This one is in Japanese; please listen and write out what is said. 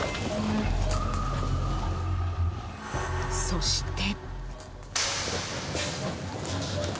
そして。